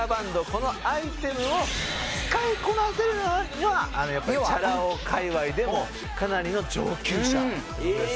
「このアイテムを使いこなせるのはやっぱりチャラ男界隈でもかなりの上級者ですね」